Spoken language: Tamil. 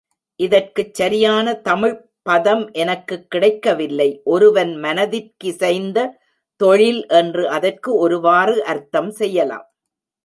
இதற்குச் சரியான தமிழ்ப் பதம் எனக்குக் கிடைக்கவில்லை ஒருவன் மனத்திற்கிசைந்த தொழில் என்று அதற்கு ஒருவாறு அர்த்தம் செய்யலாம்.